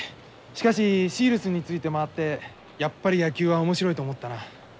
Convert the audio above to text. しかしシールスについて回ってやっぱり野球は面白いと思ったな。